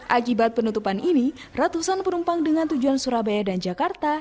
akibat penutupan ini ratusan penumpang dengan tujuan surabaya dan jakarta